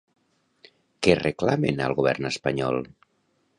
Què reclamen al govern espanyol?